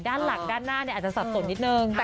ด้านหลักด้านหน้าอาจจะสับสนนิดนึง